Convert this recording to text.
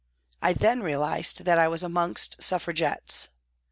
I then realised that I was amongst Suffragettes.